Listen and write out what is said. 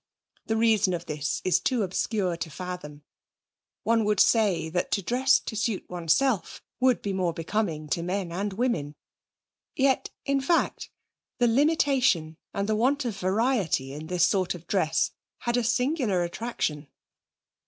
The reason of this is too obscure to fathom. One would say that to dress to suit oneself would be more becoming to men and women. Yet, in fact, the limitation and the want of variety in this sort of dress had a singular attraction.